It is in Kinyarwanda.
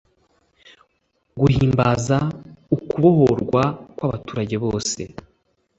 guhimbaza ukubohorwa kw'abaturage bose